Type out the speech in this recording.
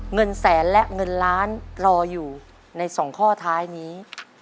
เงินแสนและเงินล้านรออยู่ใน๒ข้อท้ายนี้